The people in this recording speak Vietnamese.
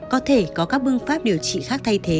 có thể có các phương pháp điều trị khác thay thế